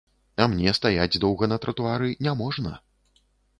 А мне стаяць доўга на тратуары няможна.